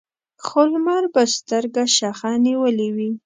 خو لمر به سترګه شخه نیولې وي.